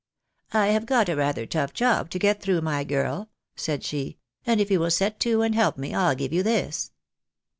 " I have got a rather tough job to get through, my girl," said she, " and if you will set to and help me, I'll give you this."